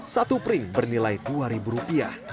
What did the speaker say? satu pring bernilai rp dua